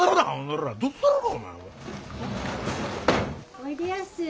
おいでやす。